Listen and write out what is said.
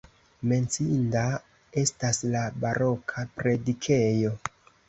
Menciinda estas la baroka predikejo.